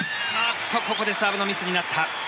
ここでサーブのミスになった。